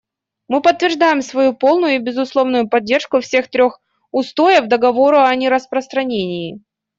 Мы подтверждаем свою полную и безусловную поддержку всех трех устоев Договора о нераспространении.